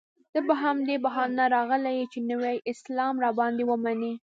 ته په همدې بهانه راغلی یې چې نوی اسلام را باندې ومنې.